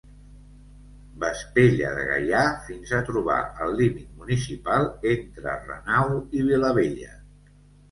Vespella de Gaià fins a trobar el límit municipal entre Renau i Vilabella.